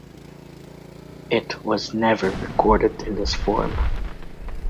It was never recorded in this form.